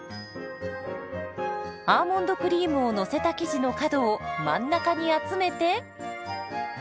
アーモンドクリームをのせた生地の角を真ん中に集めて。